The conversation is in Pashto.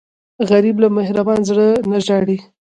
غریب له مهربان زړه نه ژاړي